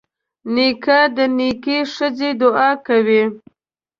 نیکه د نیکې ښځې دعا کوي.